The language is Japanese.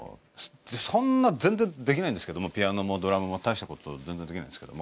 そんな全然できないんですけどもピアノもドラムも大した事全然できないんですけども。